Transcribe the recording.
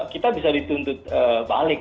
kita bisa dituntut balik